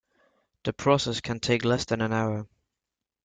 The process can take less than an hour.